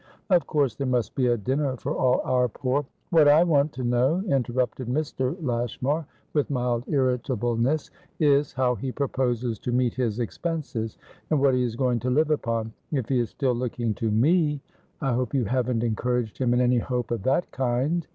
Of course there must be a dinner for all our poor" "What I want to know," interrupted Mr. Lashmar, with mild irritableness, "is, how he proposes to meet his expenses, and what he is going to live upon. If he is still looking to meI hope you haven't encouraged him in any hope of that kind?"